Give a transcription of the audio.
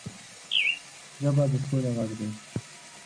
ژبه د سولې غږ دی